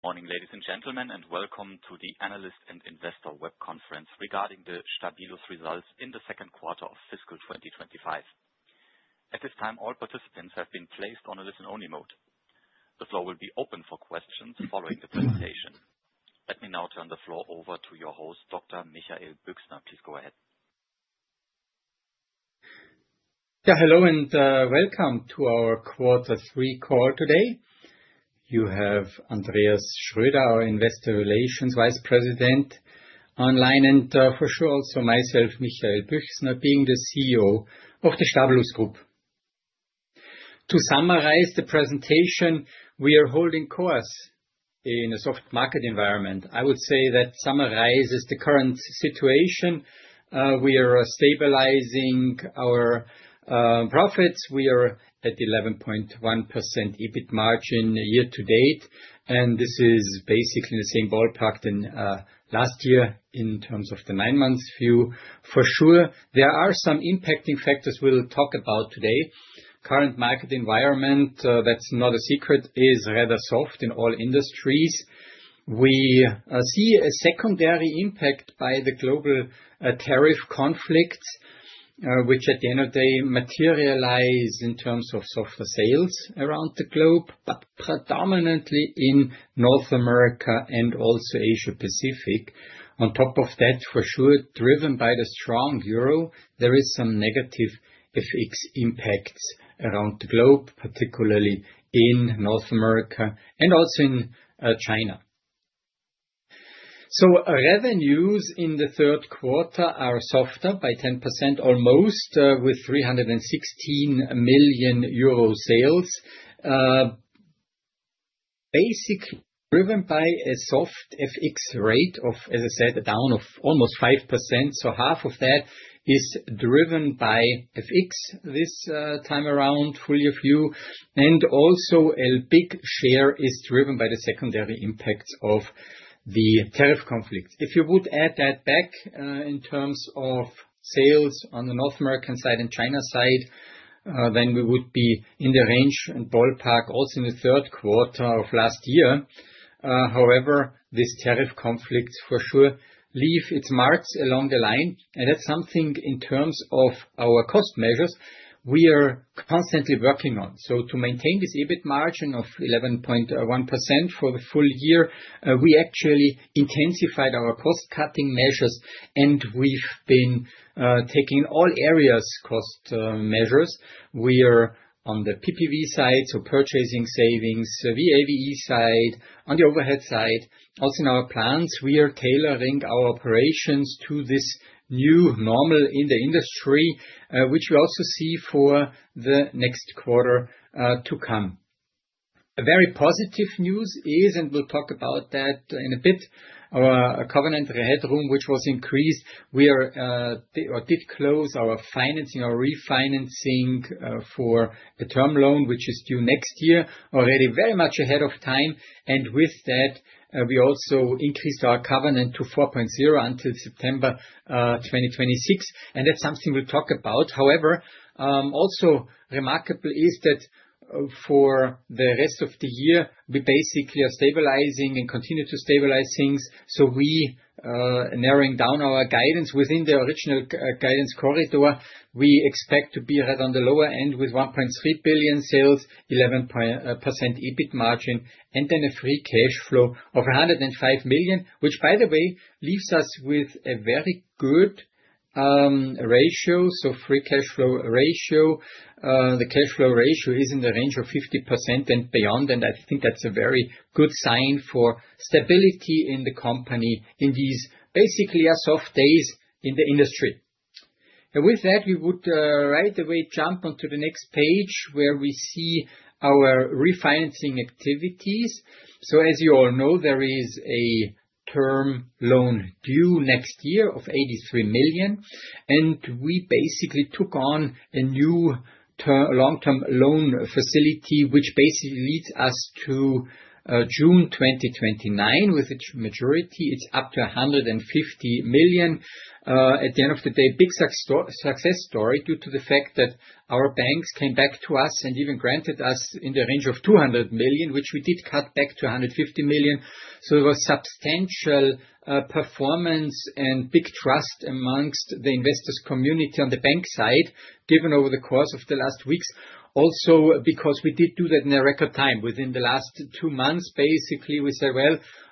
Morning, ladies and gentlemen, and welcome to the analyst and investor web conference regarding the Stabilus results in the second quarter of fiscal 2025. At this time, all participants have been placed on a listen-only mode. The floor will be open for questions following the presentation. Let me now turn the floor over to your host, Dr. Michael Büchsner. Please go ahead. Yeah, hello and welcome to our quarter three call today. You have Andreas Schröder, our Investor Relations Vice President, online, and for sure also myself, Michael Büchsner, being the CEO of the Stabilus Group. To summarize the presentation, we are holding course in a soft market environment. I would say that summarizes the current situation. We are stabilizing our profits. We are at 11.1% EBIT margin year to date. This is basically the same ballpark as last year in terms of the nine months view. For sure, there are some impacting factors we'll talk about today. Current market environment, that's not a secret, is rather soft in all industries. We see a secondary impact by the global tariff conflicts, which at the end of the day materialize in terms of softer sales around the globe, but predominantly in North America and also Asia Pacific. On top of that, for sure, driven by the strong Euro, there are some negative effects around the globe, particularly in North America and also in China. Revenues in the third quarter are softer by almost 10%, with 316 million euro sales. Basically driven by a soft FX rate of, as I said, a down of almost 5%. Half of that is driven by FX this time around, really a few. Also, a big share is driven by the secondary impacts of the tariff conflicts. If you would add that back in terms of sales on the North America side and China side, then we would be in the range and ballpark also in the third quarter of last year. However, these tariff conflicts for sure leave their marks along the line. That is something in terms of our cost measures we are constantly working on. To maintain this EBIT margin of 11.1% for the full year, we actually intensified our cost-cutting measures. We've been taking all areas cost measures. We are on the PPV side, so purchasing savings, the VAVE side, on the overhead side. Also in our plants, we are tailoring our operations to this new normal in the industry, which we also see for the next quarter to come. Very positive news is, and we'll talk about that in a bit, our covenant headroom, which was increased. We did close our financing, our refinancing for a term loan, which is due next year, already very much ahead of time. With that, we also increased our covenant to 4.0 until September 2026. That is something we'll talk about. However, also remarkable is that for the rest of the year, we basically are stabilizing and continue to stabilize things. We are narrowing down our guidance within the original guidance corridor. We expect to be right on the lower end with 1.3 billion sales, 11% EBIT margin, and then a free cash flow of 105 million, which, by the way, leaves us with a very good ratio. The free cash flow ratio, the cash flow ratio is in the range of 50% and beyond. I think that's a very good sign for stability in the company in these basically are soft days in the industry. With that, we would right away jump onto the next page where we see our refinancing activities. As you all know, there is a term loan due next year of 83 million. We basically took on a new long-term loan facility, which basically leads us to June 2029, with its maturity, it's up to 150 million. At the end of the day, big success story due to the fact that our banks came back to us and even granted us in the range of 200 million, which we did cut back to 150 million. It was substantial performance and big trust amongst the investors' community on the bank side, given over the course of the last weeks. Also, because we did do that in a record time within the last two months, we said,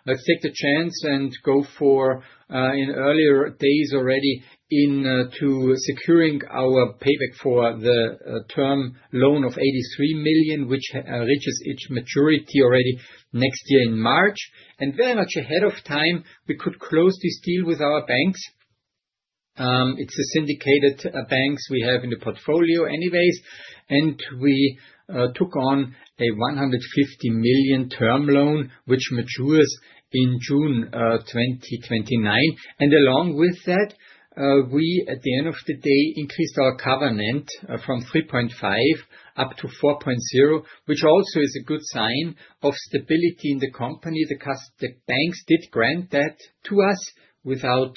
let's take the chance and go for in earlier days already into securing our payback for the term loan of 83 million, which reaches its maturity already next year in March. Very much ahead of time, we could close this deal with our banks. It's the syndicated banks we have in the portfolio anyways. We took on a 150 million term loan, which matures in June 2029. Along with that, we at the end of the day increased our covenant from 3.5 up to 4.0, which also is a good sign of stability in the company because the banks did grant that to us without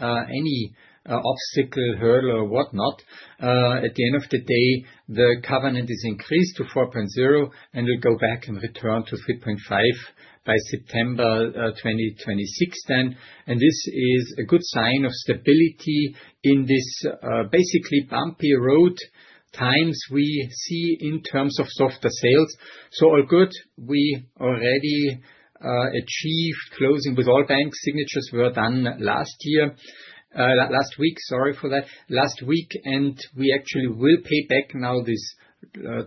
any obstacle, hurdle, or whatnot. At the end of the day, the covenant is increased to 4.0, and we go back and return to 3.5 by September 2026 then. This is a good sign of stability in this basically bumpy road times we see in terms of soft sales. All good. We already achieved closing with all bank signatures, we were done last week. We actually will pay back now this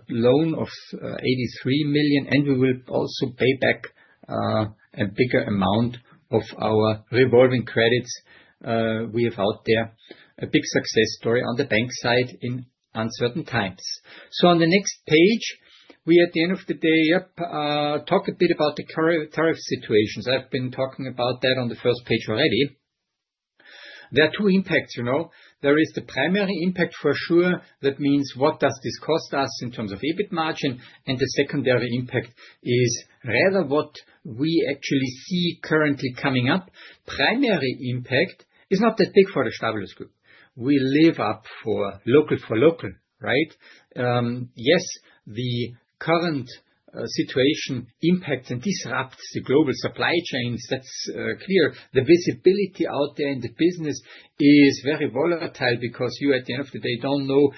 loan of 83 million, and we will also pay back a bigger amount of our revolving credits we have out there. A big success story on the bank side in uncertain times. On the next page, we at the end of the day talk a bit about the current tariff situations. I've been talking about that on the first page already. There are two impacts. There is the primary impact for sure. That means what does this cost us in terms of EBIT margin? The secondary impact is rather what we actually see currently coming up. Primary impact is not that big for the Stabilus Group. We live up for local for local, right? Yes, the current situation impacts and disrupts the global supply chains. That's clear. The visibility out there in the business is very volatile because you, at the end of the day, don't know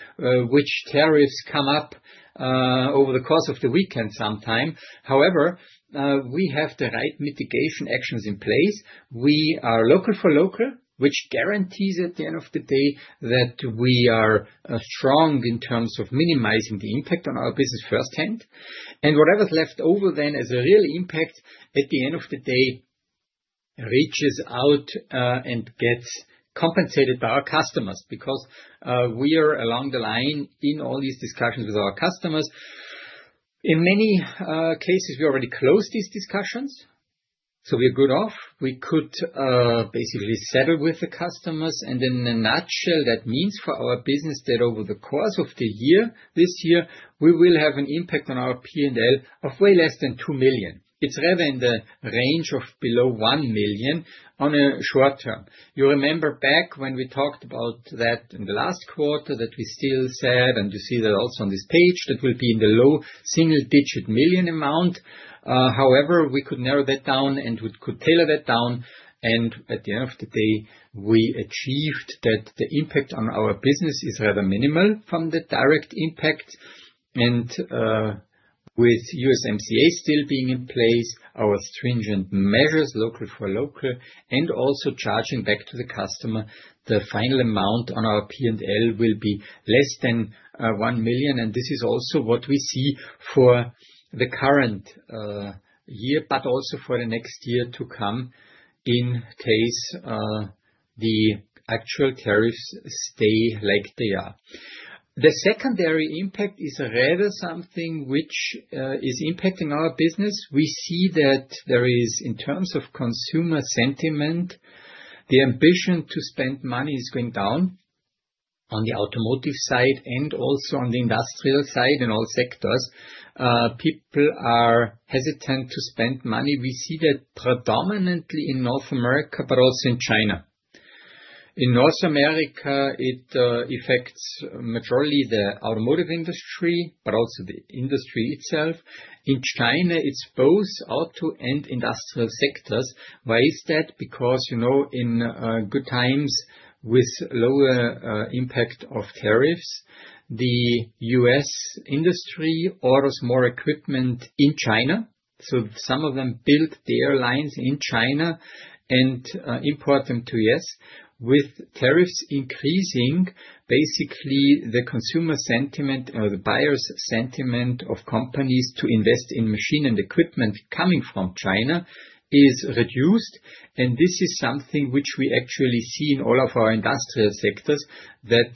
which tariffs come up over the course of the weekend sometime. However, we have the right mitigation actions in place. We are local for local, which guarantees at the end of the day that we are strong in terms of minimizing the impact on our business firsthand. Whatever's left over then as a real impact at the end of the day reaches out and gets compensated by our customers because we are along the line in all these discussions with our customers. In many cases, we already closed these discussions. We're good off. We could basically settle with the customers. In a nutshell, that means for our business that over the course of the year, this year, we will have an impact on our P&L of way less than 2 million. It's rather in the range of below 1 million on a short term. You remember back when we talked about that in the last quarter that we still said, and you see that also on this page, that we'll be in the low single-digit million amount. We could narrow that down and we could tailor that down. At the end of the day, we achieved that the impact on our business is rather minimal from the direct impact. With USMCA still being in place, our stringent measures local for local and also charging back to the customer, the final amount on our P&L will be less than 1 million. This is also what we see for the current year, but also for the next year to come in case the actual tariffs stay like they are. The secondary impact is rather something which is impacting our business. We see that there is, in terms of consumer sentiment, the ambition to spend money is going down on the automotive side and also on the industrial side in all sectors. People are hesitant to spend money. We see that predominantly in North America, but also in China. In North America, it affects majority of the automotive industry, but also the industry itself. In China, it's both auto and industrial sectors. Why is that? Because, you know, in good times with lower impact of tariffs, the U.S. industry orders more equipment in China. Some of them build their lines in China and import them to the U.S. With tariffs increasing, basically, the consumer sentiment or the buyer's sentiment of companies to invest in machine and equipment coming from China is reduced. This is something which we actually see in all of our industrial sectors, that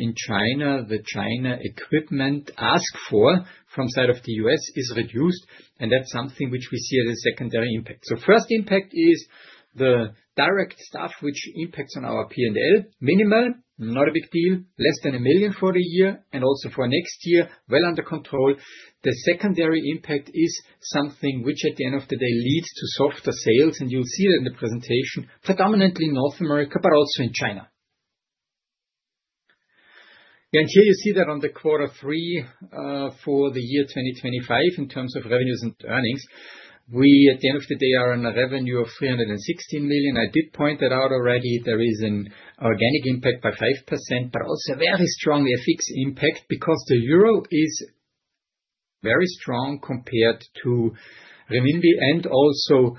in China, the China equipment asked for from the side of the U.S. is reduced. That's something which we see as a secondary impact. The first impact is the direct stuff, which impacts on our P&L, minimal, not a big deal, less than 1 million for the year, and also for next year, well under control. The secondary impact is something which, at the end of the day, leads to softer sales. You'll see that in the presentation, predominantly in North America, but also in China. Here you see that on the quarter three for the year 2025, in terms of revenues and earnings, we, at the end of the day, are in a revenue of 316 million. I did point that out already. There is an organic impact by 5%, but also a very strong FX impact because the Euro is very strong compared to renminbi and also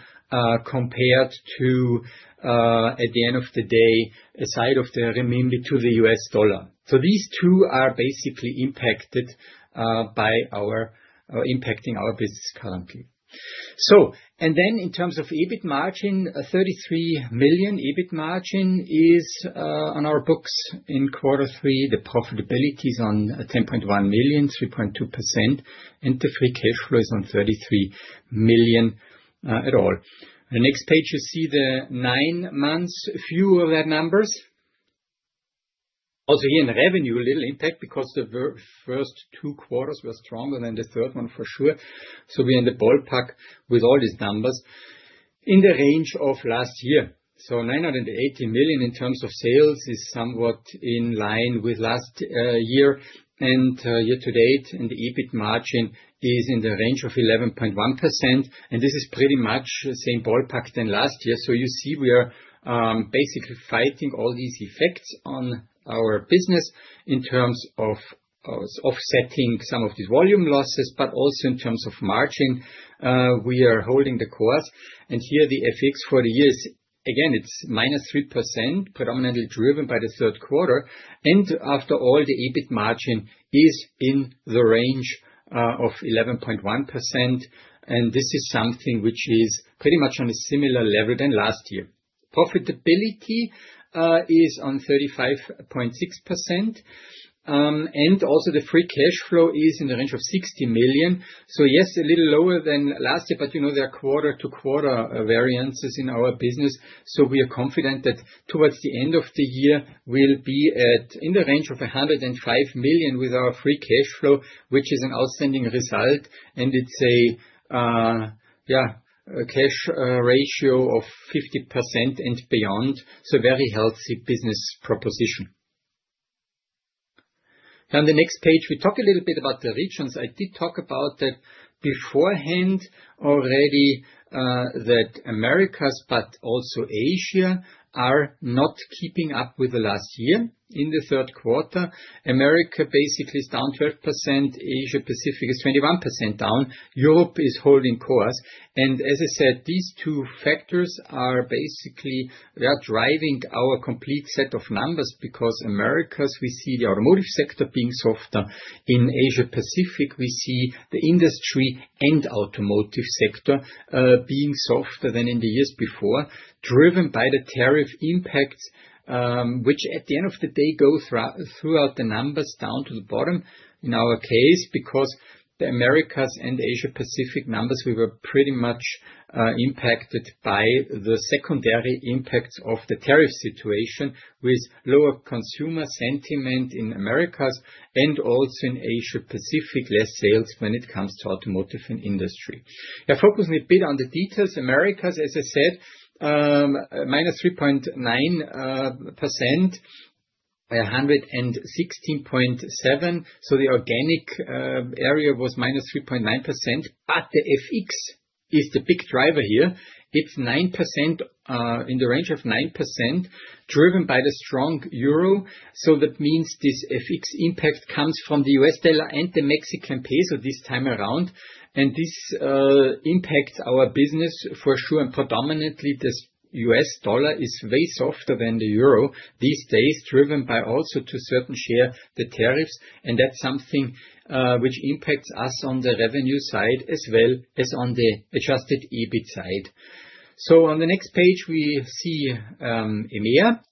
compared to, at the end of the day, a side of the renminbi to the U.S. dollar. These two are basically impacting our business currently. In terms of EBIT margin, 33 million EBIT margin is on our books in quarter three. The profitability is on 10.1 million, 3.2%, and the free cash flow is on 33 million at all. The next page, you see the nine months view of that numbers. Also here in revenue, a little impact because the first two quarters were stronger than the third one for sure. We're in the ballpark with all these numbers in the range of last year. 980 million in terms of sales is somewhat in line with last year and year to date. The EBIT margin is in the range of 11.1%. This is pretty much the same ballpark than last year. You see we are basically fighting all these effects on our business in terms of offsetting some of these volume losses, but also in terms of margin, we are holding the course. Here the FX for the years, again, it's -3%, predominantly driven by the third quarter. After all, the EBIT margin is in the range of 11.1%. This is something which is pretty much on a similar level than last year. Profitability is on 35.6%. Also, the free cash flow is in the range of 60 million. Yes, a little lower than last year, but there are quarter-to-quarter variances in our business. We are confident that towards the end of the year, we'll be in the range of 105 million with our free cash flow, which is an outstanding result. It's a cash ratio of 50% and beyond, a very healthy business proposition. On the next page, we talk a little bit about the regions. I did talk about that beforehand already, that Americas, but also Asia, are not keeping up with last year in the third quarter. Americas basically is down 12%. Asia Pacific is 21% down. Europe is holding course. As I said, these two factors are basically driving our complete set of numbers because Americas, we see the automotive sector being softer. In Asia Pacific, we see the industry and automotive sector being softer than in the years before, driven by the tariff impacts, which at the end of the day go throughout the numbers down to the bottom in our case because the Americas and Asia Pacific numbers, we were pretty much impacted by the secondary impacts of the tariff situation with lower consumer sentiment in Americas and also in Asia Pacific, less sales when it comes to automotive and industry. Now focusing a bit on the details, Americas, as I said, -3.9% by 116.7%. The organic area was -3.9%, but the FX is the big driver here. It's 9% in the range of 9% driven by the strong Euro. This FX impact comes from the U.S. dollar and the Mexican peso this time around. This impacts our business for sure. Predominantly, the U.S. dollar is way softer than the Euro these days, driven also to a certain share by the tariffs. That's something which impacts us on the revenue side as well as on the adjusted EBIT side. On the next page, we see EMEA.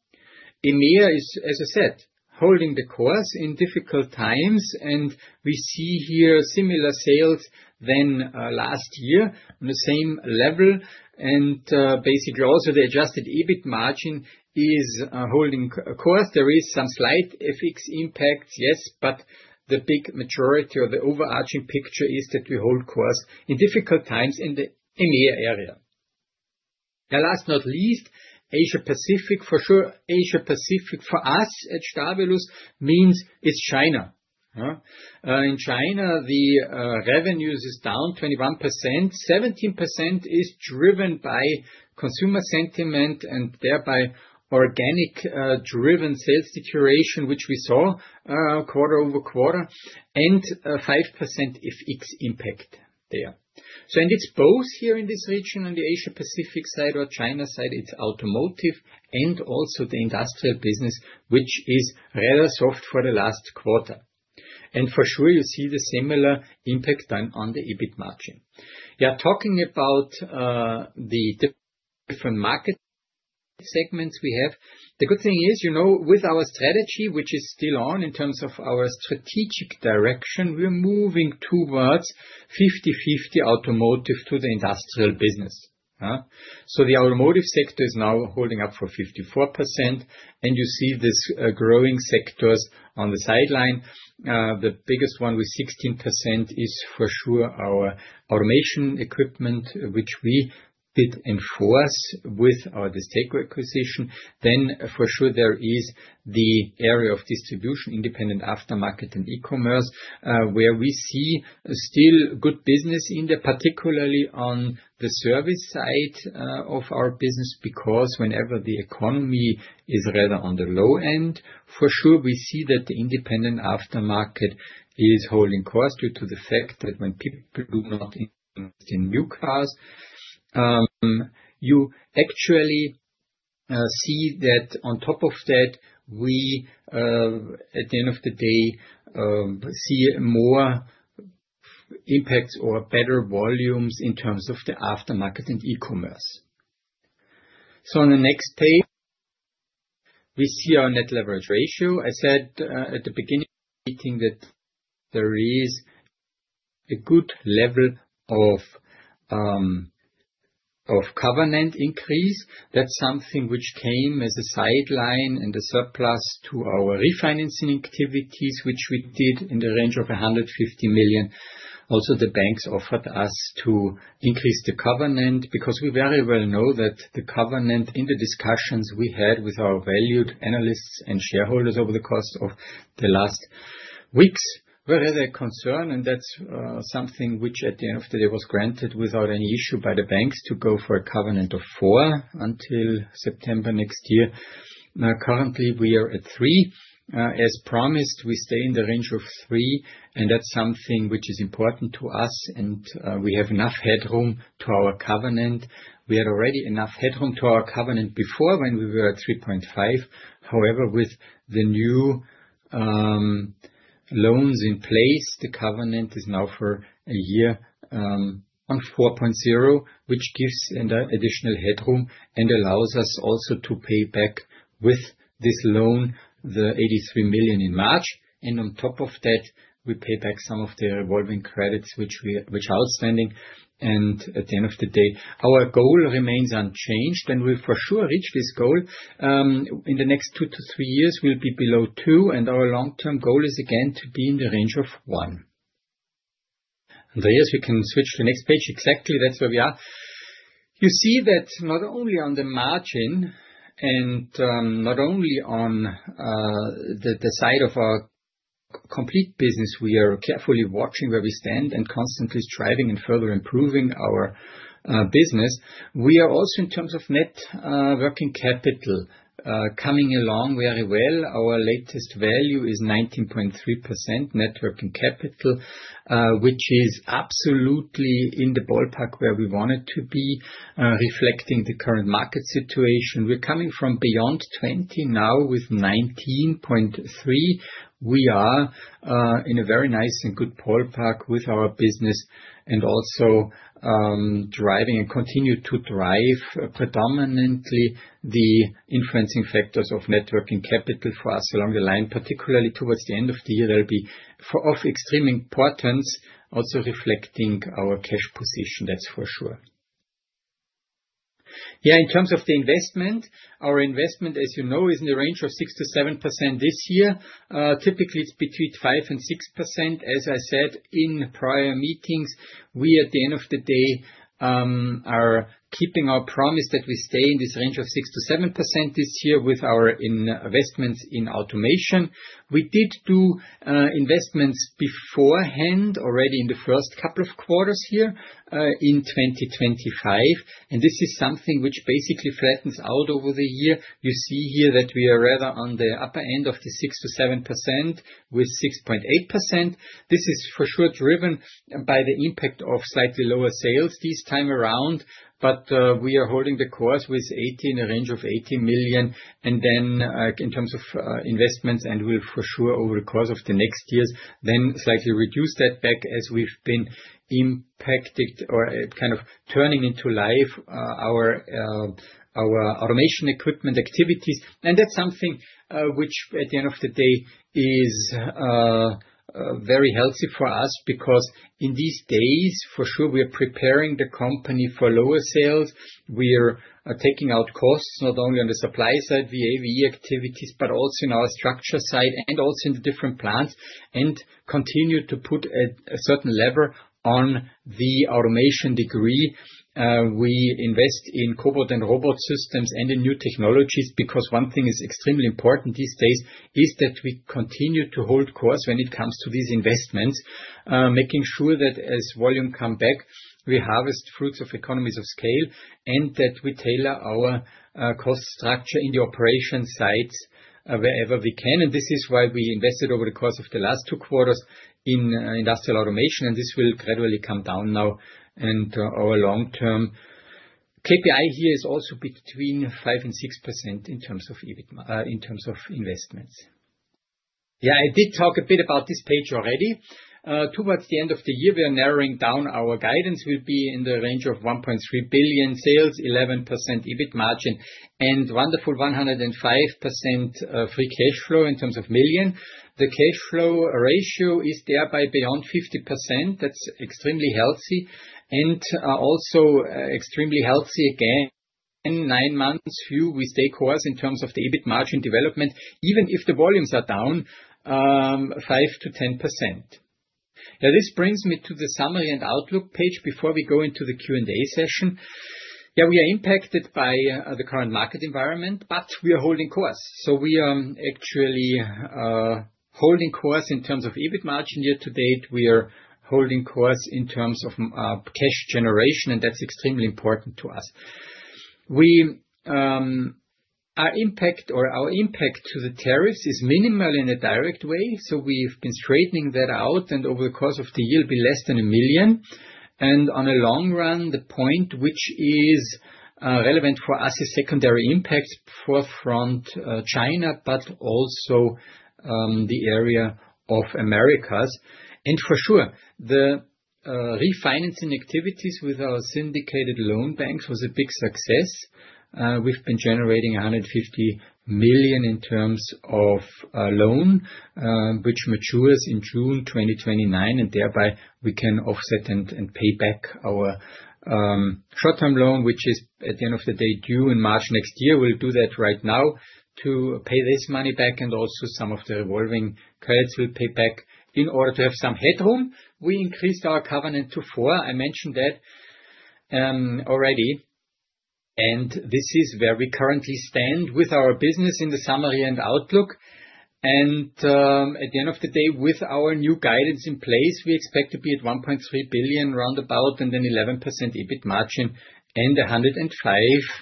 EMEA is, as I said, holding the course in difficult times. We see here similar sales to last year on the same level. Basically, also the adjusted EBIT margin is holding course. There are some slight FX impacts, yes, but the big majority or the overarching picture is that we hold course in difficult times in the EMEA area. Last but not least, Asia Pacific for sure. Asia Pacific for us at Stabilus means it's China. In China, the revenues are down 21%. 17% is driven by consumer sentiment and thereby organic-driven sales situation, which we saw quarter over quarter, and 5% FX impact there. It is both here in this region on the Asia Pacific side or China side. It is automotive and also the industrial business, which is rather soft for the last quarter. For sure, you see the similar impact on the EBIT margin. Talking about the different market segments we have, the good thing is, with our strategy, which is still on in terms of our strategic direction, we are moving towards 50/50 automotive to the industrial business. The automotive sector is now holding up for 54%, and you see these growing sectors on the sideline. The biggest one with 16% is for sure our automation equipment, which we did enforce with our Stako acquisition. There is the area of distribution, independent aftermarket, and e-commerce, where we see still good business in there, particularly on the service side of our business because whenever the economy is rather on the low end, we see that the independent aftermarket is holding course due to the fact that when people do not invest in new cars, you actually see that on top of that, we, at the end of the day, see more impacts or better volumes in terms of the aftermarket and e-commerce. On the next page, we see our net leverage ratio. I said at the beginning of the meeting that there is a good level of covenant increase. That is something which came as a sideline and a surplus to our refinancing activities, which we did in the range of 150 million. Also, the banks offered us to increase the covenant because we very well know that the covenant in the discussions we had with our valued analysts and shareholders over the course of the last weeks were rather concerned. That is something which at the end of the day was granted without any issue by the banks to go for a covenant of 4 until September next year. Currently, we are at 3. As promised, we stay in the range of 3, and that is something which is important to us. We have enough headroom to our covenant. We had already enough headroom to our covenant before when we were at 3.5. However, with the new loans in place, the covenant is now for a year on 4.0, which gives an additional headroom and allows us also to pay back with this loan the 83 million in March. On top of that, we pay back some of the revolving credits, which are outstanding. At the end of the day, our goal remains unchanged, and we for sure reach this goal. In the next two to three years, we will be below 2. Our long-term goal is again to be in the range of one. Andreas, we can switch to the next page. Exactly, that's where we are. You see that not only on the margin and not only on the side of our complete business, we are carefully watching where we stand and constantly striving and further improving our business. We are also, in terms of net working capital, coming along very well. Our latest value is 19.3% net working capital, which is absolutely in the ballpark where we wanted to be, reflecting the current market situation. We're coming from beyond 20, now with 19.3. We are in a very nice and good ballpark with our business and also driving and continue to drive predominantly the influencing factors of net working capital for us along the line, particularly towards the end of the year. That'll be of extreme importance, also reflecting our cash position. That's for sure. In terms of the investment, our investment, as you know, is in the range of 6%-7% this year. Typically, it's between 5% and 6%. As I said in prior meetings, we, at the end of the day, are keeping our promise that we stay in this range of 6%-7% this year with our investments in automation. We did do investments beforehand already in the first couple of quarters here in 2025. This is something which basically flattens out over the year. You see here that we are rather on the upper end of the 6%-7% with 6.8%. This is for sure driven by the impact of slightly lower sales this time around, but we are holding the course with 80 million in the range of 80 million. In terms of investments, we'll for sure over the course of the next years then slightly reduce that back as we've been impacted or kind of turning into life our automation equipment activities. That's something which, at the end of the day, is very healthy for us because in these days, for sure, we're preparing the company for lower sales. We are taking out costs not only on the supply side, VAVE activities, but also in our structure side and also in the different plants and continue to put a certain lever on the automation degree. We invest in cobot and robot systems and in new technologies because one thing is extremely important these days is that we continue to hold course when it comes to these investments, making sure that as volume comes back, we harvest fruits of economies of scale and that we tailor our cost structure in the operation sites wherever we can. This is why we invested over the course of the last two quarters in industrial automation. This will gradually come down now. Our long-term KPI here is also between 5% and 6% in terms of investments. I did talk a bit about this page already. Towards the end of the year, we are narrowing down our guidance. We will be in the range of 1.3 billion sales, 11% EBIT margin, and a wonderful 105 million free cash flow. The cash flow ratio is thereby beyond 50%. That is extremely healthy and also extremely healthy again. Nine months view, we stay course in terms of the EBIT margin development, even if the volumes are down 5%-10%. This brings me to the summary and outlook page before we go into the Q&A session. We are impacted by the current market environment, but we are holding course. We are actually holding course in terms of EBIT margin year to date. We are holding course in terms of cash generation, and that is extremely important to us. Our impact to the tariffs is minimal in a direct way. We have been straightening that out, and over the course of the year, it will be less than 1 million. On a long run, the point which is relevant for us is secondary impacts for China, but also the area of Americas. For sure, the refinancing activities with our syndicated loan banks was a big success. We have been generating 150 million in terms of loan, which matures in June 2029. Thereby, we can offset and pay back our short-term loan, which is at the end of the day due in March next year. We will do that right now to pay this money back and also some of the revolving credits we will pay back in order to have some headroom. We increased our covenant to four. I mentioned that already. This is where we currently stand with our business in the summary and outlook. At the end of the day, with our new guidance in place, we expect to be at 1.3 billion roundabout and then 11% EBIT margin and 105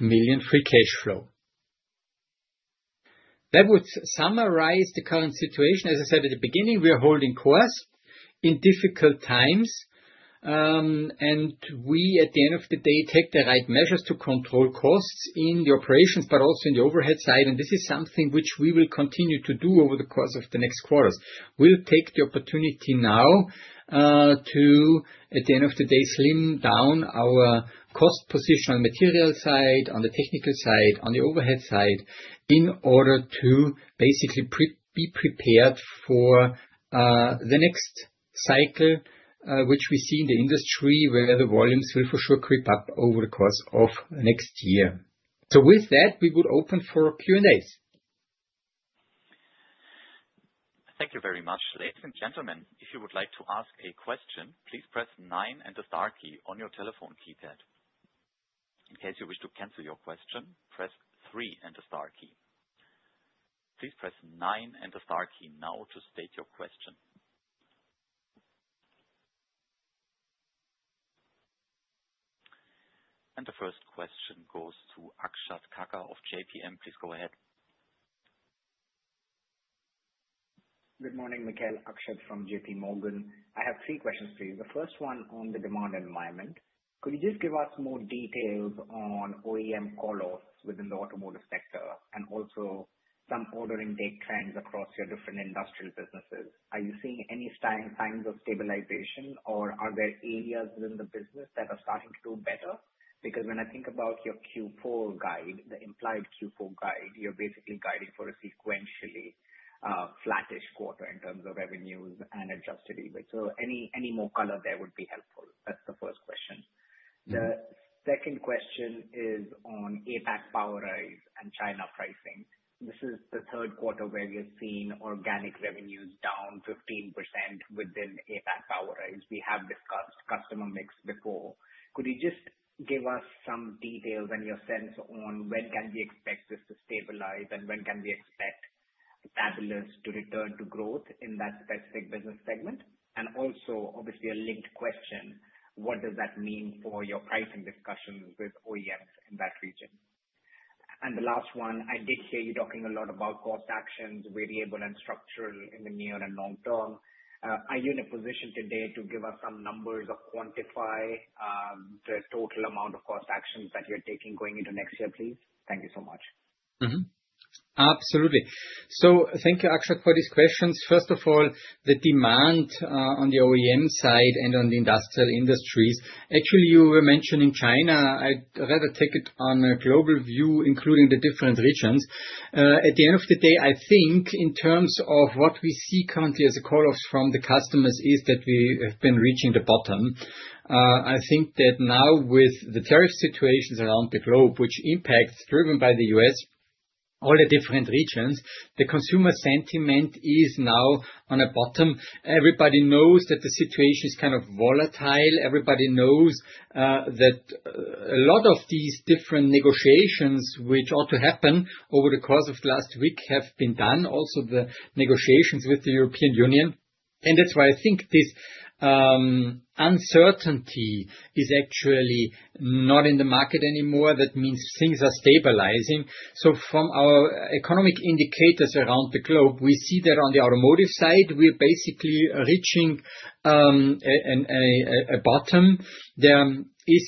million free cash flow. That would summarize the current situation. As I said at the beginning, we are holding course in difficult times. We, at the end of the day, take the right measures to control costs in the operations, but also in the overhead side. This is something which we will continue to do over the course of the next quarters. We'll take the opportunity now to, at the end of the day, slim down our cost position on the material side, on the technical side, on the overhead side in order to basically be prepared for the next cycle, which we see in the industry where the volumes will for sure creep up over the course of the next year. With that, we would open for Q&As. Thank you very much. Ladies and gentlemen, if you would like to ask a question, please press nine and the star key on your telephone keypad. In case you wish to cancel your question, press three and the star key. Please press nine and the star key now to state your question. The first question goes to Akshat Kacker of JPMorgan. Please go ahead. Good morning, Michael. Akshat from JPMorgan. I have three questions for you. The first one on the demand environment. Could you just give us more details on OEM call-offs within the automotive sector and also some ordering data trends across your different industrial businesses? Are you seeing any signs of stabilization, or are there areas within the business that are starting to do better? When I think about your Q4 guide, the implied Q4 guide, you're basically guiding for a sequentially flattish quarter in terms of revenues and adjusted EBIT. Any more color there would be helpful. That's the first question. The second question is on APAC POWERISE and China pricing. This is the third quarter where you're seeing organic revenues down 15% within APAC POWERISE. We have discussed customer mix before. Could you just give us some details and your sense on when can we expect this to stabilize and when can we expect Stabilus to return to growth in that specific business segment? Obviously, a linked question. What does that mean for your pricing discussion with OEMs in that region? The last one, I did hear you talking a lot about cost actions, variable and structural in the near and long term. Are you in a position today to give us some numbers or quantify the total amount of cost actions that you're taking going into next year, please? Thank you so much. Absolutely. Thank you, Akshat, for these questions. First of all, the demand on the OEM side and on the industrial industries. Actually, you were mentioning China. I'd rather take it on a global view, including the different regions. At the end of the day, I think in terms of what we see currently as a call-off from the customers is that we have been reaching the bottom. I think that now with the tariff situations around the globe, which impacts driven by the U.S., all the different regions, the consumer sentiment is now on a bottom. Everybody knows that the situation is kind of volatile. Everybody knows that a lot of these different negotiations, which ought to happen over the course of the last week, have been done. Also, the negotiations with the European Union. That is why I think this uncertainty is actually not in the market anymore. That means things are stabilizing. From our economic indicators around the globe, we see that on the automotive side, we're basically reaching a bottom. There are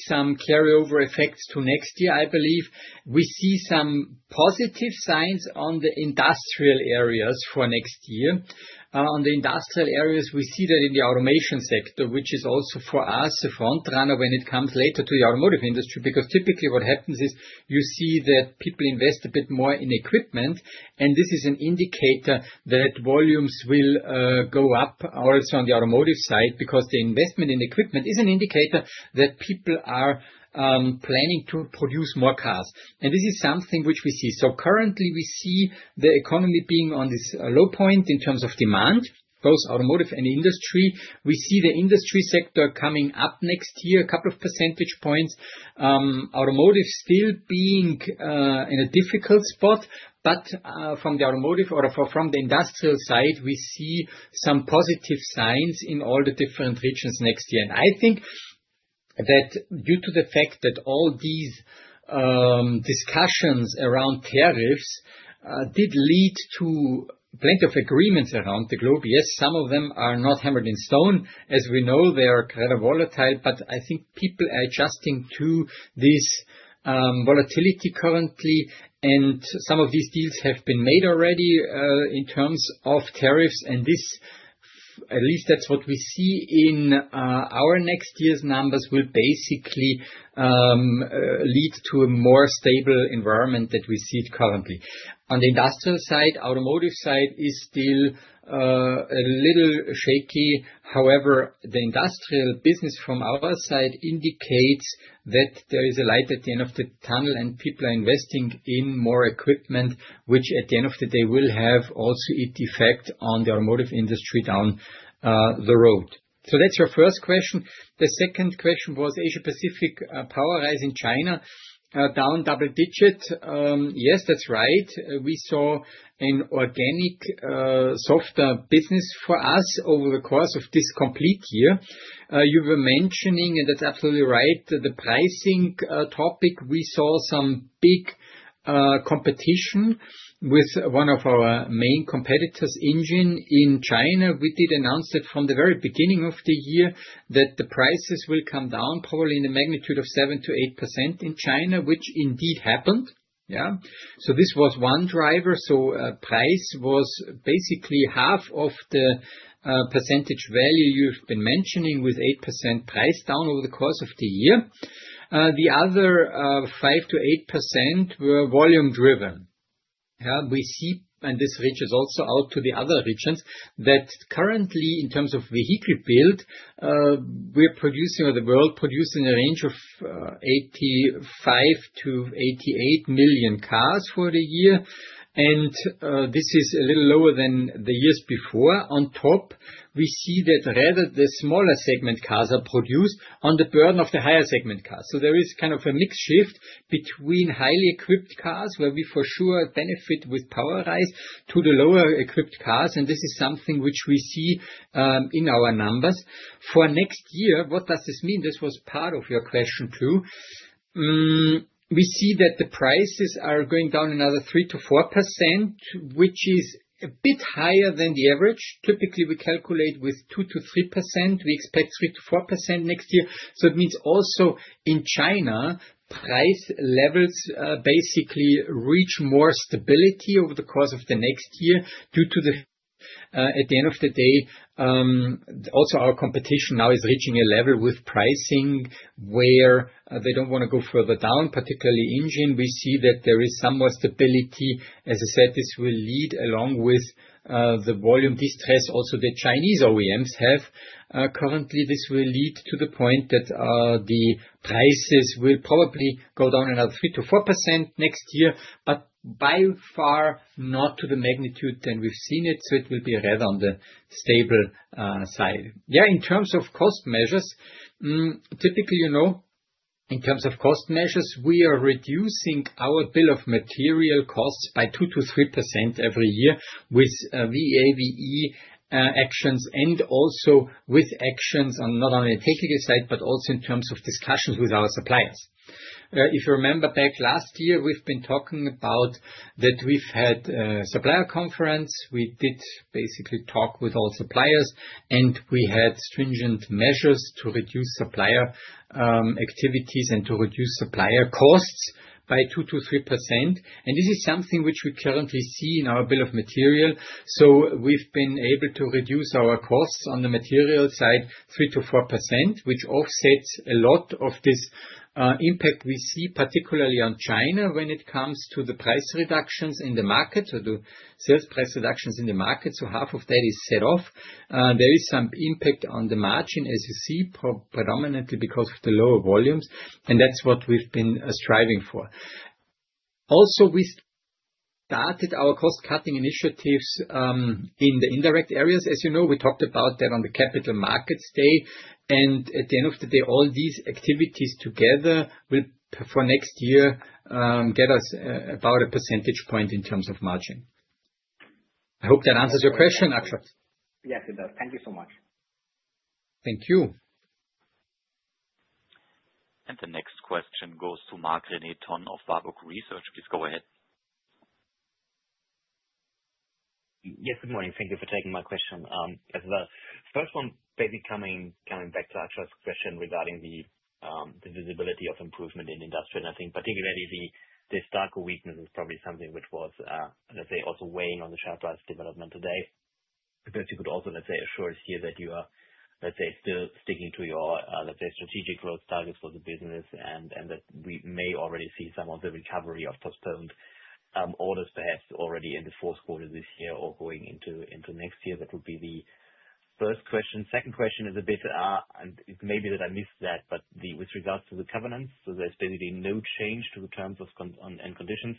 some carryover effects to next year, I believe. We see some positive signs on the industrial areas for next year. On the industrial areas, we see that in the automation sector, which is also for us a frontrunner when it comes later to the automotive industry, because typically what happens is you see that people invest a bit more in equipment. This is an indicator that volumes will go up also on the automotive side because the investment in equipment is an indicator that people are planning to produce more cars. This is something which we see. Currently, we see the economy being on this low point in terms of demand, both automotive and industry. We see the industry sector coming up next year, a couple of percentage points. Automotive is still being in a difficult spot, but from the automotive or from the industrial side, we see some positive signs in all the different regions next year. I think that due to the fact that all these discussions around tariffs did lead to plenty of agreements around the globe. Yes, some of them are not hammered in stone. As we know, they're kind of volatile, but I think people are adjusting to this volatility currently. Some of these deals have been made already in terms of tariffs. This, at least that's what we see in our next year's numbers, will basically lead to a more stable environment that we see it currently. On the industrial side, the automotive side is still a little shaky. However, the industrial business from our side indicates that there is a light at the end of the tunnel, and people are investing in more equipment, which at the end of the day will have also an effect on the automotive industry down the road. That's your first question. The second question was Asia Pacific POWERISE in China, down double digits. Yes, that's right. We saw an organic softer business for us over the course of this complete year. You were mentioning, and that's absolutely right, the pricing topic. We saw some big competition with one of our main competitors, Engine, in China. We did announce that from the very beginning of the year that the prices will come down probably in the magnitude of 7%- 8% in China, which indeed happened. This was one driver. Price was basically half of the percentage value you've been mentioning with 8% price down over the course of the year. The other 5%-8% were volume-driven. We see, and this reaches also out to the other regions, that currently, in terms of vehicle build, we're producing, or the world is producing, a range of 85 million-88 million cars for the year. This is a little lower than the years before. On top, we see that rather the smaller segment cars are produced at the burden of the higher segment cars. There is kind of a mix shift between highly equipped cars, where we for sure benefit with POWERISE, to the lower equipped cars. This is something which we see in our numbers. For next year, what does this mean? This was part of your question too. We see that the prices are going down another 3%-4%, which is a bit higher than the average. Typically, we calculate with 2%-3%. We expect 3%-4% next year. It means also in China, price levels basically reach more stability over the course of the next year due to the, at the end of the day, also our competition now is reaching a level with pricing where they don't want to go further down, particularly Engine. We see that there is some more stability. As I said, this will lead along with the volume distress also that Chinese OEMs have. Currently, this will lead to the point that the prices will probably go down another 3%-4% next year, but by far not to the magnitude that we've seen it. It will be rather on the stable side. Yeah, in terms of cost measures, typically, you know, in terms of cost measures, we are reducing our bill of material costs by 2%-3% every year with VAVE actions and also with actions on not only the technical side, but also in terms of discussions with our suppliers. If you remember back last year, we've been talking about that we've had a supplier conference. We did basically talk with all suppliers, and we had stringent measures to reduce supplier activities and to reduce supplier costs by 2%-3%. This is something which we currently see in our bill of material. We've been able to reduce our costs on the material side 3%-4%, which offsets a lot of this impact we see, particularly on China when it comes to the price reductions in the market or the sales price reductions in the market. Half of that is set off. There is some impact on the margin, as you see, predominantly because of the lower volumes. That's what we've been striving for. Also, we started our cost-cutting initiatives in the indirect areas. As you know, we talked about that on the Capital Markets Day. At the end of the day, all these activities together will, for next year, get us about a percentage point in terms of margin. I hope that answers your question, Akshat. Yes, it does. Thank you so much. Thank you. The next question goes to Marc-René Tonn of Warburg Research. Please go ahead. Yes, good morning. Thank you for taking my question as well. First one, maybe coming back to Akshat's question regarding the visibility of improvement in industrial. I think particularly the stock weakness is probably something which was also weighing on the Sharp Eyes development today. I guess you could also assure us here that you are still sticking to your strategic growth targets for the business and that we may already see some of the recovery of postponed orders perhaps already in the fourth quarter this year or going into next year. That would be the first question. Second question is a bit, and it may be that I missed that, but with regards to the covenants, so there's basically no change to the terms and conditions.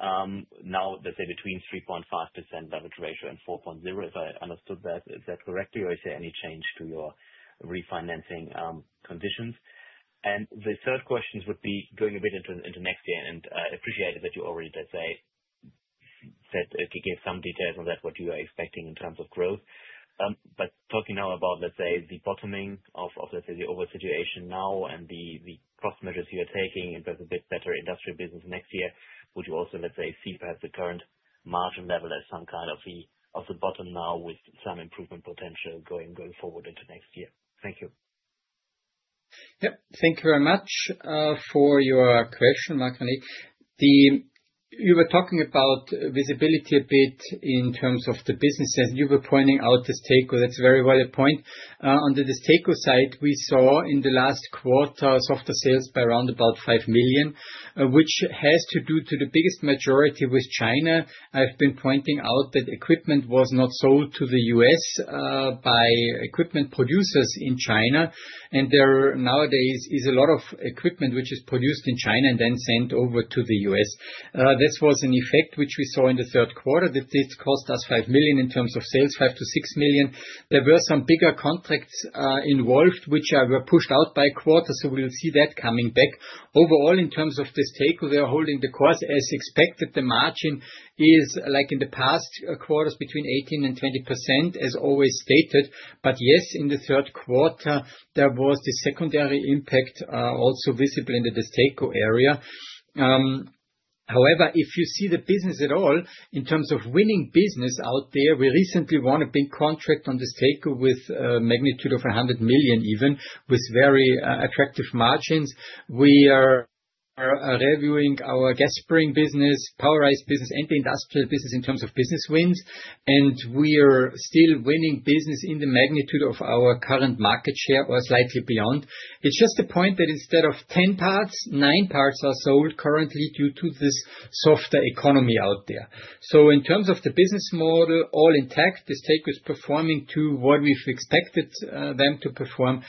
Now, between 3.5% leverage ratio and 4.0%, if I understood that. Is that correct? Or is there any change to your refinancing conditions? The third question would be going a bit into next year. I appreciated that you already gave some details on that, what you are expecting in terms of growth. Talking now about the bottoming of the overall situation and the cost measures you are taking in terms of a bit better industrial business next year, would you also see perhaps the current margin level as some kind of the bottom now with some improvement potential going forward into next year? Thank you. Yeah, thank you very much for your question, Marc-René. You were talking about visibility a bit in terms of the businesses. You were pointing out the Stako. That's a very valid point. On the Stako side, we saw in the last quarter softer sales by around about 5 million, which has to do to the biggest majority with China. I've been pointing out that equipment was not sold to the U.S. by equipment producers in China. There nowadays is a lot of equipment which is produced in China and then sent over to the U.S. This was an effect which we saw in the third quarter that did cost us 5 million in terms of sales, 5 million-6 million. There were some bigger contracts involved, which were pushed out by quarter. We'll see that coming back. Overall, in terms of the Stako, they are holding the course as expected. The margin is like in the past quarters between 18% and 20%, as always stated. In the third quarter, there was the secondary impact also visible in the Stako area. However, if you see the business at all in terms of willing business out there, we recently won a big contract on the Stako with a magnitude of 100 million, even with very attractive margins. We are reviewing our gas-spraying business, POWERISE business, and the industrial business in terms of business wins. We are still winning business in the magnitude of our current market share or slightly beyond. It's just a point that instead of 10 parts, 9 parts are sold currently due to this softer economy out there. In terms of the business model, all intact, the Stako is performing to what we've expected them to perform.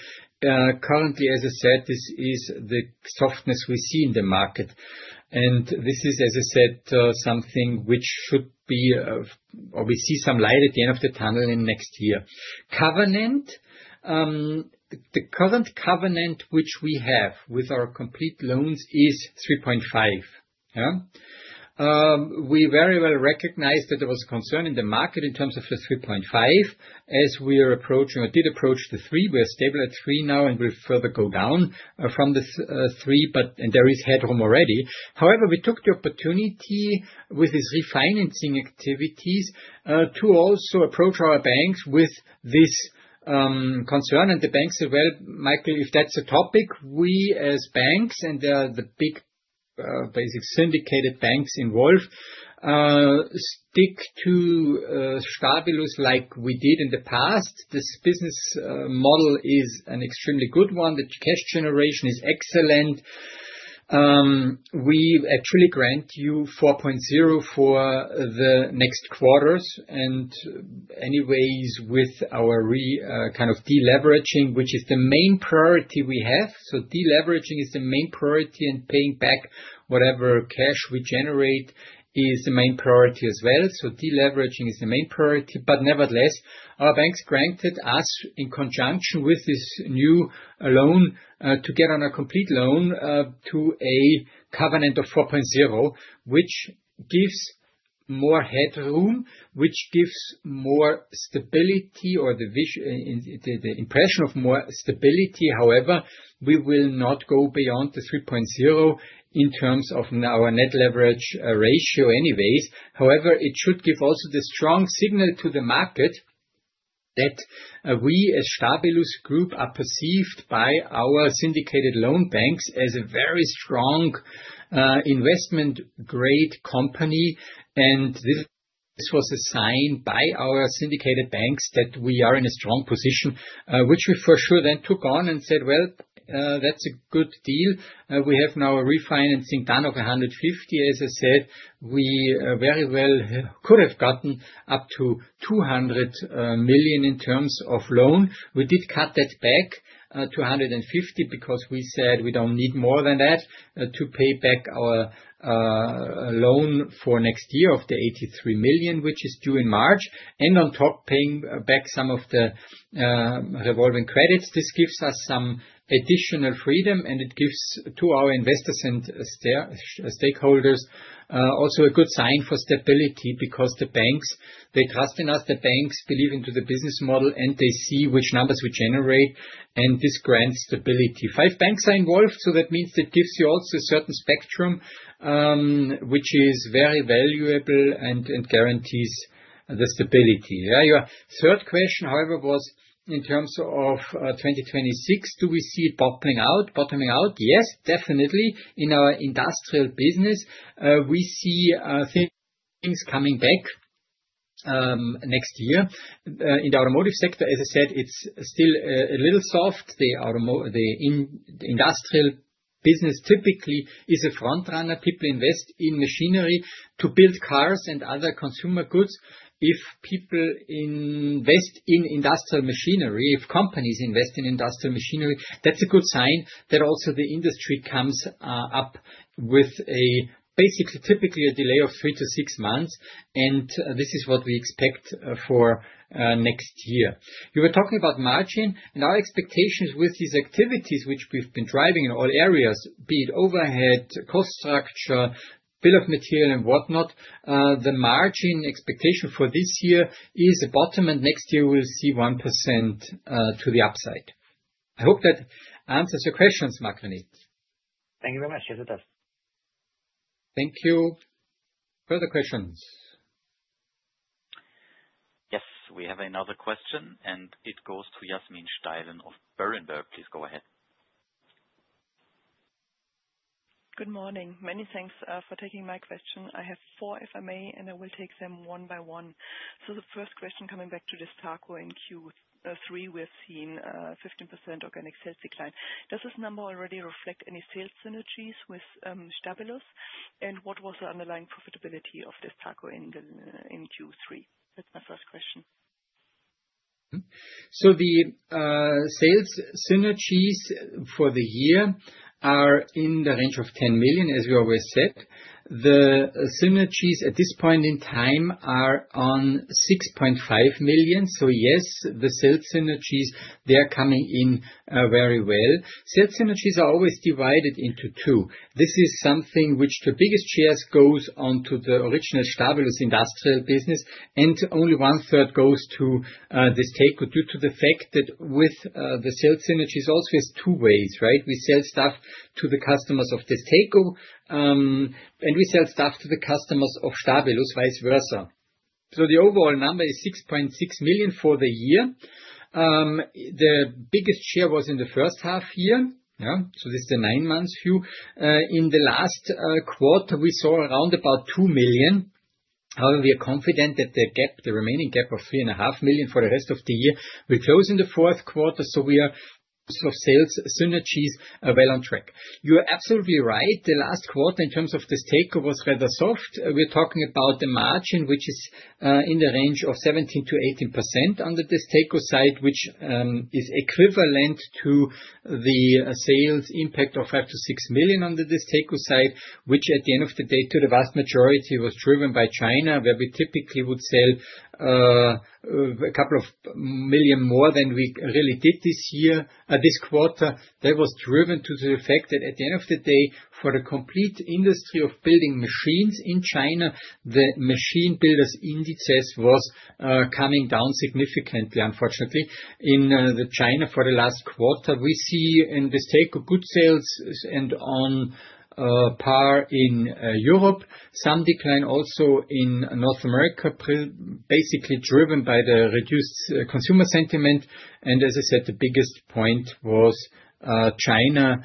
Currently, as I said, this is the softness we see in the market. This is, as I said, something which should be, or we see some light at the end of the tunnel in the next year. Covenant, the current covenant which we have with our complete loans is 3.5. We very well recognize that there was concern in the market in terms of the 3.5. As we are approaching or did approach the 3, we're stable at 3 now and will further go down from the 3, but there is headroom already. We took the opportunity with these refinancing activities to also approach our banks with this concern. The banks said, "Michael, if that's a topic, we as banks and the big basic syndicated banks involved stick to Stabilus like we did in the past. This business model is an extremely good one. The cash generation is excellent." We actually grant you 4.0 for the next quarters, and anyways, with our kind of deleveraging, which is the main priority we have. Deleveraging is the main priority, and paying back whatever cash we generate is the main priority as well. Deleveraging is the main priority. Nevertheless, our banks granted us, in conjunction with this new loan, to get on a complete loan to a covenant of 4.0, which gives more headroom, which gives more stability or the vision, the impression of more stability. However, we will not go beyond the 3.0 in terms of our net leverage ratio anyways. It should also give the strong signal to the market that we as Stabilus Group are perceived by our syndicated loan banks as a very strong investment-grade company. This was a sign by our syndicated banks that we are in a strong position, which we for sure then took on and said, "That's a good deal." We have now a refinancing done of 150 million. As I said, we very well could have gotten up to 200 million in terms of loan. We did cut that back to 150 million because we said we don't need more than that to pay back our loan for next year of the 83 million, which is due in March. On top, paying back some of the revolving credits, this gives us some additional freedom. It gives to our investors and stakeholders are also a good sign for stability because the banks, they trust in us, the banks believe in the business model, and they see which numbers we generate. This grants stability. Five banks are involved. That means it gives you also a certain spectrum, which is very valuable and guarantees the stability. Your third question, however, was in terms of 2026, do we see bottoming out? Bottoming out? Yes, definitely. In our industrial business, we see things coming back next year. In the automotive sector, as I said, it's still a little soft. The industrial business typically is a frontrunner. People invest in machinery to build cars and other consumer goods. If people invest in industrial machinery, if companies invest in industrial machinery, that's a good sign that also the industry comes up with basically typically a delay of three to six months. This is what we expect for next year. You were talking about margin. Our expectations with these activities, which we've been driving in all areas, be it overhead, cost structure, bill of material, and whatnot, the margin expectation for this year is a bottom, and next year we'll see 1% to the upside. I hope that answers your questions, Marc-René. Thank you very much. Yes, it does. Thank you. Further questions? Yes, we have another question, and it goes to Yasmin Steilen of Berenberg. Please go ahead. Good morning. Many thanks for taking my question. I have four, if I may, and I will take them one by one. The first question, coming back to the Stako in Q3, we've seen a 15% organic sales decline. Does this number already reflect any sales synergies with Stabilus? What was the underlying profitability of this Stako in Q3? That's my first question. The sales synergies for the year are in the range of 10 million, as we always said. The synergies at this point in time are at 6.5 million. Yes, the sales synergies are coming in very well. Sales synergies are always divided into two. The biggest shares go to the original Stabilus industrial business, and only one-third goes to the Stako due to the fact that with the sales synergies, it is two ways, right? We sell stuff to the customers of the Stako, and we sell stuff to the customers of Stabilus, vice versa. The overall number is 6.6 million for the year. The biggest share was in the first half year. This is the nine-month view. In the last quarter, we saw around 2 million. However, we are confident that the remaining gap of 3.5 million for the rest of the year will close in the fourth quarter. We are well on track with sales synergies. You are absolutely right. The last quarter in terms of the Stako was rather soft. We are talking about the margin, which is in the range of 17%-18% under the Stako side, which is equivalent to the sales impact of 5 million-6 million under the Stako side, which at the end of the day, to the vast majority, was driven by China, where we typically would sell a couple of million more than we really did this year, this quarter. That was due to the fact that at the end of the day, for the complete industry of building machines in China, the machine builders' indices were coming down significantly, unfortunately, in China for the last quarter. We see in the Stako good sales and on par in Europe, some decline also in North America, basically driven by the reduced consumer sentiment. The biggest point was China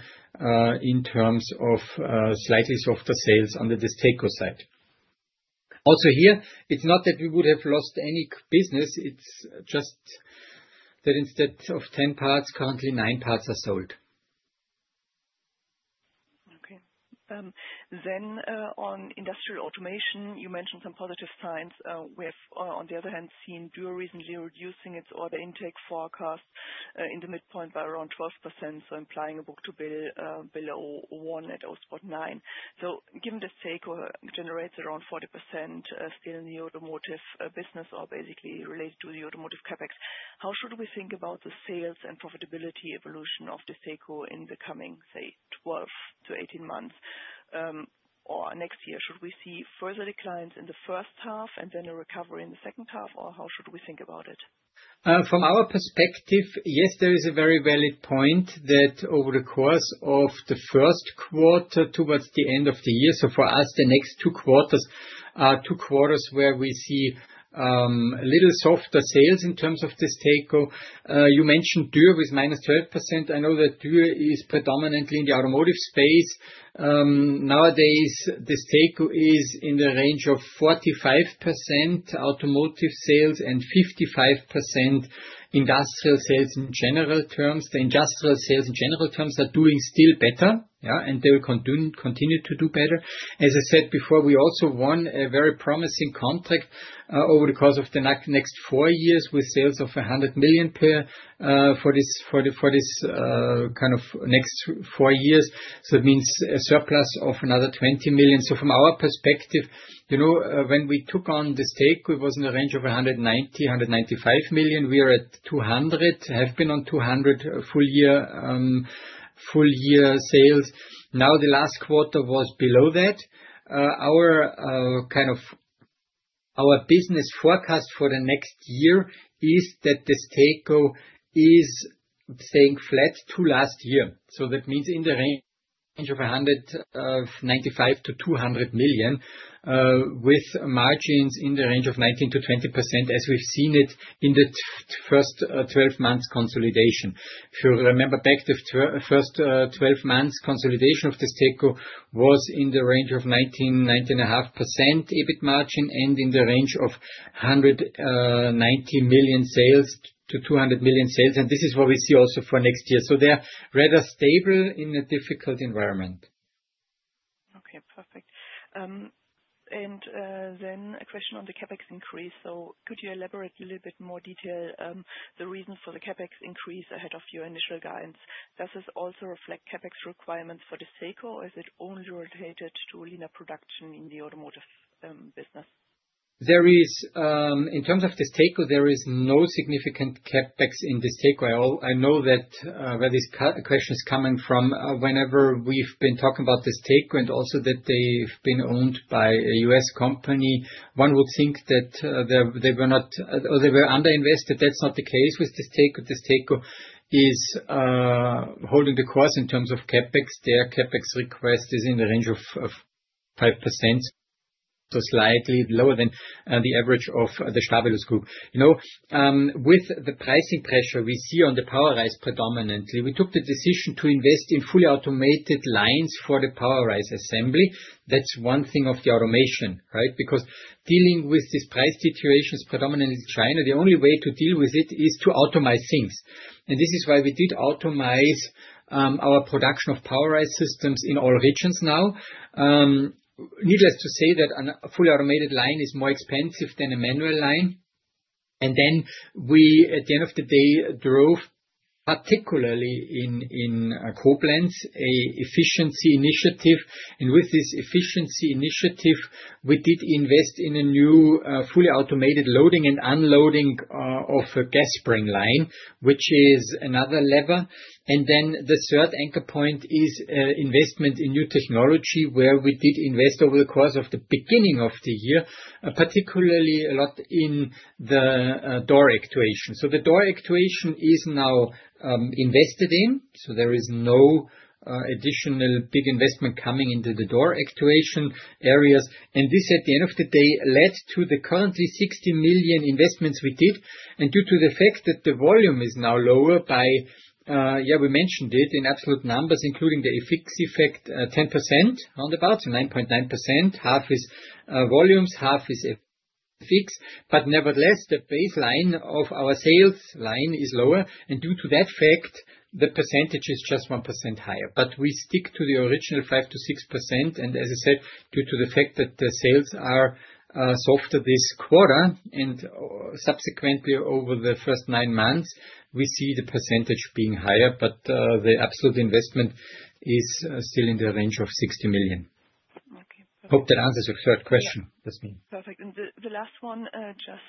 in terms of slightly softer sales under the Stako side. Also here, it's not that we would have lost any business. It's just that instead of 10 parts, currently 9 parts are sold. Okay. On industrial automation, you mentioned some positive signs. We have, on the other hand, seen Duo recently reducing its order intake forecast in the midpoint by around 12%, implying a book-to-bill below 1 at 0.9. Given the Stako generates around 40% still in the automotive business or basically related to the automotive CapEx, how should we think about the sales and profitability evolution of the Stako in the coming, say, 12 to 18 months? Next year, should we see further declines in the first half and then a recovery in the second half? How should we think about it? From our perspective, yes, there is a very valid point that over the course of the first quarter towards the end of the year. For us, the next two quarters are two quarters where we see a little softer sales in terms of the Stako. You mentioned Duo with -12%. I know that Duo is predominantly in the automotive space. Nowadays, the Stako is in the range of 45% automotive sales and 55% industrial sales in general terms. The industrial sales in general terms are doing still better, yeah, and they will continue to do better. As I said before, we also won a very promising contract over the course of the next four years with sales of 100 million per for this kind of next four years. It means a surplus of another 20 million. From our perspective, you know, when we took on the Stako, it was in the range of 190 million-195 million. We are at 200 million, have been on 200 million full-year sales. Now the last quarter was below that. Our kind of business forecast for the next year is that the Stako is staying flat to last year. That means in the range of 195 million-200 million with margins in the range of 19%-20% as we've seen it in the first 12 months consolidation. If you remember back to the first 12 months, consolidation of the Stako was in the range of 19%, 19.5% EBIT margin and in the range of 190 million sales to 200 million sales. This is what we see also for next year. They're rather stable in a difficult environment. Okay, perfect. A question on the CapEx increase. Could you elaborate a little bit more detail the reasons for the CapEx increase ahead of your initial guidance? Does this also reflect CapEx requirements for the Stako, or is it only related to linear production in the automotive business? In terms of the Stako, there is no significant CapEx in the Stako. I know that where this question is coming from, whenever we've been talking about the Stako and also that they've been owned by a U.S. company, one would think that they were underinvested. That's not the case with the Stako. The Stako is holding the course in terms of CapEx. Their CapEx request is in the range of 5%, so slightly lower than the average of the Stabilus Group. You know, with the pricing pressure we see on the POWERISE predominantly, we took the decision to invest in fully automated lines for the POWERISE assembly. That's one thing of the automation, right? Because dealing with this price situation is predominantly China. The only way to deal with it is to automize things. This is why we did automize our production of POWERISE systems in all regions now. Needless to say that a fully automated line is more expensive than a manual line. At the end of the day, we drove particularly in Copeland's efficiency initiative. With this efficiency initiative, we did invest in a new fully automated loading and unloading of a gas spring line, which is another lever. The third anchor point is investment in new technology where we did invest over the course of the beginning of the year, particularly a lot in the door actuation. The door actuation is now invested in. There is no additional big investment coming into the door actuation areas. This, at the end of the day, led to the currently 60 million investments we did. Due to the fact that the volume is now lower by, yeah, we mentioned it in absolute numbers, including the effects effect, 10% on the boat, 9.9%. Half is volumes, half is effects. Nevertheless, the baseline of our sales line is lower. Due to that fact, the percentage is just 1% higher. We stick to the original 5%-6%. As I said, due to the fact that the sales are softer this quarter and subsequently over the first nine months, we see the percentage being higher. The absolute investment is still in the range of 60 million. I hope that answers your third question, Yasmin. Perfect. The last one, just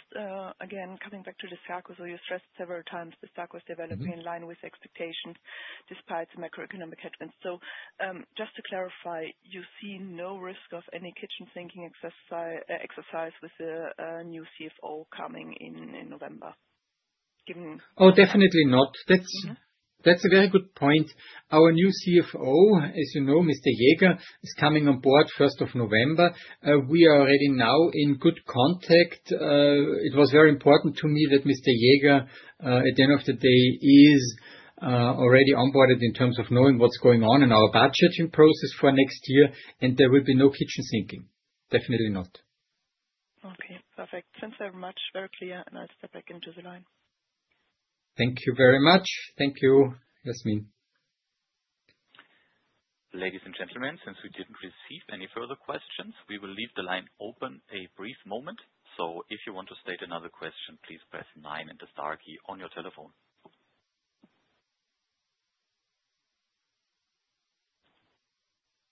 again, coming back to the Stako. You stressed several times the Stako was developing in line with expectations despite the macroeconomic headwinds. Just to clarify, you see no risk of any kitchen sinking exercise with the new CFO coming in in November? Oh, definitely not. That's a very good point. Our new CFO, as you know, Mr. Jaeger, is coming on board 1st of November. We are already now in good contact. It was very important to me that Mr. Jaeger, at the end of the day, is already onboarded in terms of knowing what's going on in our budgeting process for next year. There will be no kitchen sinking. Definitely not. Okay, perfect. Thanks very much. Very clear. I'll step back into the line. Thank you very much. Thank you, Yasmin. Ladies and gentlemen, since we didn't receive any further questions, we will leave the line open a brief moment. If you want to state another question, please press nine and the star key on your telephone.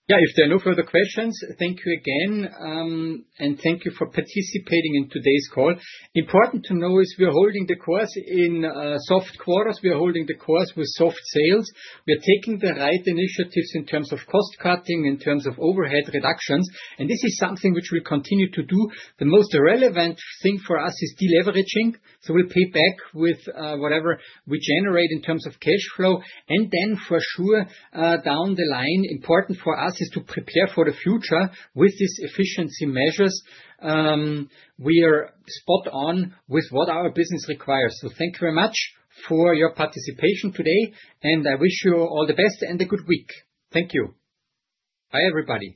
If there are no further questions, thank you again. Thank you for participating in today's call. Important to know is we are holding the course in soft quarters. We are holding the course with soft sales. We are taking the right initiatives in terms of cost cutting, in terms of overhead reductions. This is something which we continue to do. The most relevant thing for us is deleveraging. We pay back with whatever we generate in terms of cash flow. For sure, down the line, important for us is to prepare for the future with these efficiency measures. We are spot on with what our business requires. Thank you very much for your participation today. I wish you all the best and a good week. Thank you. Bye, everybody.